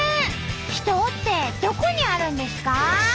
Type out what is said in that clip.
秘湯ってどこにあるんですか？